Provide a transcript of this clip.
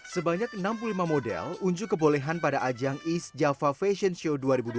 sebanyak enam puluh lima model unjuk kebolehan pada ajang east java fashion show dua ribu dua puluh